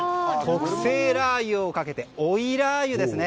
特製ラー油をかけて追いラー油ですね。